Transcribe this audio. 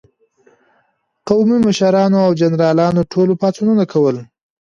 قومي مشرانو او جنرالانو ټول پاڅونونه کول.